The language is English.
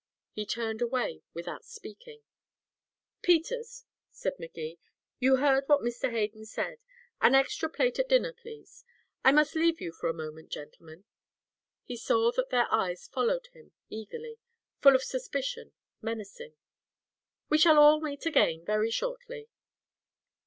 He turned away without speaking. "Peters," said Magee, "you heard what Mr. Hayden said. An extra plate at dinner, please. I must leave you for a moment, gentlemen." He saw that their eyes followed him eagerly full of suspicion, menacing. "We shall all meet again, very shortly."